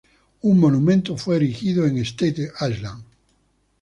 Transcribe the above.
Un monumento fue erigido en Staten Island.